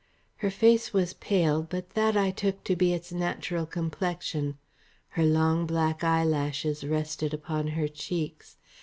Her face was pale, but that I took to be its natural complexion. Her long black eyelashes rested upon her cheeks.